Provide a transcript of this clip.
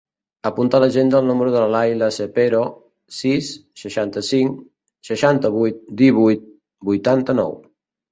Apunta a l'agenda el número de l'Ayla Cepero: sis, seixanta-cinc, seixanta-vuit, divuit, vuitanta-nou.